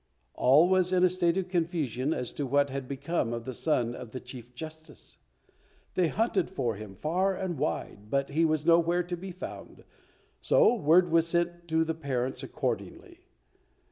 All was in a state of confusion as to what had become of the son of the Chief Justice. They hunted for him far and wide, but he was nowhere to be found, so word was sent to the parents accordingly.